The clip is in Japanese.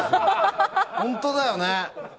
本当だよね。